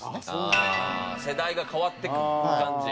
ああ世代が変わっていく感じ。